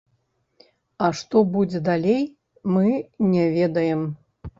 А што будзе далей, мы не ведаем.